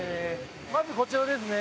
まずこちらですね